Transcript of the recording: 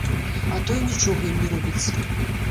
А то і нічога ім не робіцца.